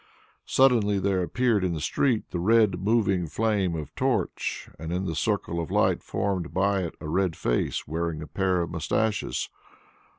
Suddenly there appeared in the street the red moving flame of torch and in the circle of light formed by it a red face wearing a pair of moustaches.